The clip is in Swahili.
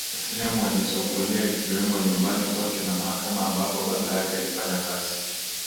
kutembea sehemu alizokulia ikiwemo nyumbani kwake na mahakama ambapo baba yake alifanya kazi